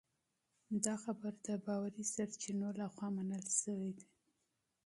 دا خبر د باوري سرچینو لخوا تایید شوی دی.